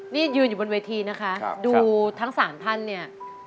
นี่ยืนอยู่บนเวทีนะครับเดี๋ยวทั้งสามท่านเนี้ย